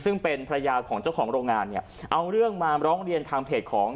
ซึ่งเป็นภรรยาของเจ้าของโรงงานเนี่ยเอาเรื่องมาร้องเรียนทางเพจของ